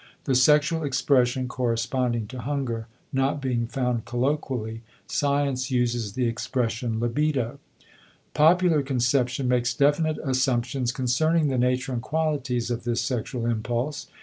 The sexual expression corresponding to hunger not being found colloquilly, science uses the expression "libido." Popular conception makes definite assumptions concerning the nature and qualities of this sexual impulse.